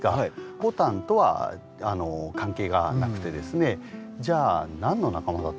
ボタンとは関係がなくてですねじゃあ何の仲間だと思います？